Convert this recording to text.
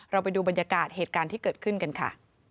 ไปดูบรรยากาศเหตุการณ์ที่เกิดขึ้นกันค่ะ